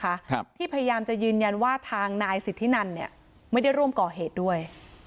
ครับที่พยายามจะยืนยันว่าทางนายสิทธินันเนี่ยไม่ได้ร่วมก่อเหตุด้วย